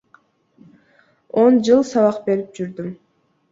Он жыл сабак берип жүрдүм.